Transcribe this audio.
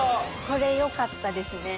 これよかったですね。